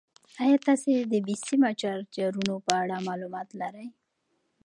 ایا تاسو د بې سیمه چارجرونو په اړه معلومات لرئ؟